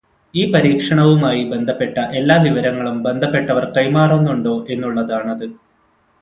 ഈ പരീക്ഷണവുമായി ബന്ധപ്പെട്ട എല്ലാ വിവരങ്ങളും ബന്ധപ്പെട്ടവർ കൈമാറുന്നുണ്ടോ എന്നുള്ളതാണത്.